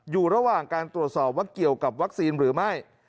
อยู่ระหว่างการตรวจสอบว่าเกี่ยวกับวัคซีนหรือไม่